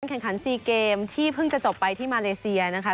แข่งขัน๔เกมที่เพิ่งจะจบไปที่มาเลเซียนะคะ